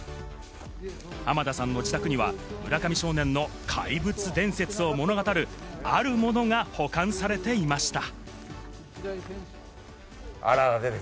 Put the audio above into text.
濱田さんの自宅には村上少年の怪物伝説を物語るあるものが保管されていました。